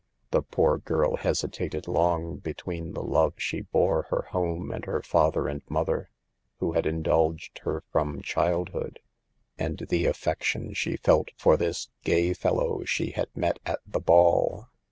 The poor girl hesitated long between the love she bore her home and her father and mother, who had indulged her from childhood, and the affection she felt for this " gay fellow " she had met at the ball.